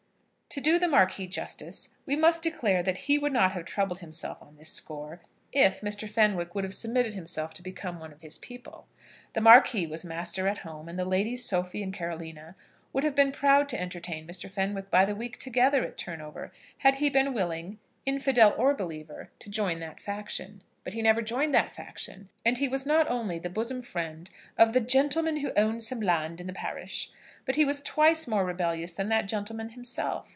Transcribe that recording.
To do the Marquis justice, we must declare that he would not have troubled himself on this score, if Mr. Fenwick would have submitted himself to become one of his people. The Marquis was master at home, and the Ladies Sophie and Carolina would have been proud to entertain Mr. Fenwick by the week together at Turnover, had he been willing, infidel or believer, to join that faction. But he never joined that faction, and he was not only the bosom friend of the "gentleman who owned some land in the parish;" but he was twice more rebellious than that gentleman himself.